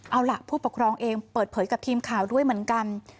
เอาล่ะผู้ปกครองเองเปิดเผยกับทีมข่าวด้วยเหมือนกัน